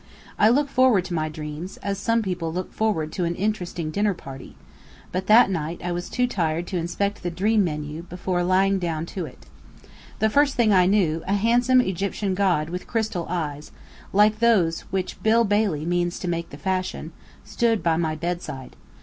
I look forward to my dreams, as some people look forward to an interesting dinner party; but that night I was too tired to inspect the dream menu, before lying down to it. The first thing I knew, a handsome Egyptian god with crystal eyes, like those which Bill Bailey means to make the fashion, stood by my bedside.